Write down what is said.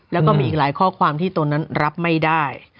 แล้วก็มีอีกหลายข้อความที่ตนนั้นรับไม่ได้